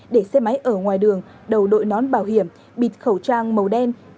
để xe máy ở ngoài đường đầu đội nón bảo hiểm bịt khẩu trang màu đen